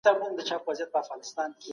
تورم د اقتصاد لپاره خطرناک دی.